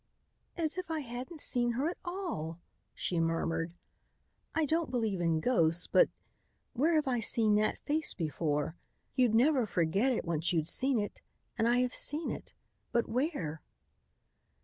"As if I hadn't seen her at all!" she murmured. "I don't believe in ghosts, but where have I seen that face before? You'd never forget it, once you'd seen it. And I have seen it. But where?"